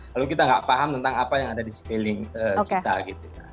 lalu kita tidak paham tentang apa yang ada di sekeliling kita